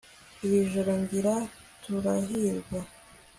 iri joro ngiri turahirwa